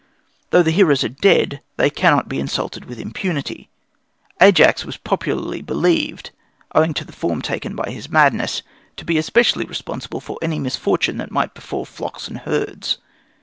Though the heroes are dead, they cannot be insulted with impunity. Ajax was popularly believed, owing to the form taken by his madness, to be especially responsible for any misfortune that might befall flocks and herds.